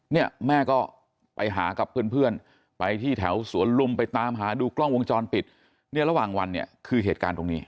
เนี่ยแม่ก็ไปหากับเพื่อนไปที่แถวสวนลุมไปตามหาดูกล้องวงจรปิดเนี่ยระหว่างวันเนี่ยคือเหตุการณ์ตรงนี้